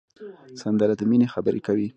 سندره د مینې خبرې کوي